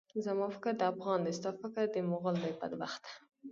زما فکر د افغان دی، ستا فکر د مُغل دی، بدبخته!